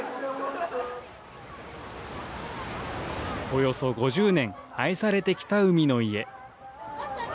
およそ５０年、愛されてきた海の家。